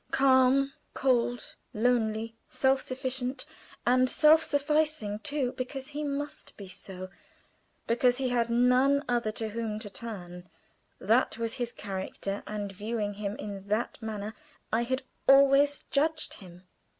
Calm, cold, lonely, self sufficing and self sufficing, too, because he must be so, because he had none other to whom to turn that was his character, and viewing him in that manner I had always judged him.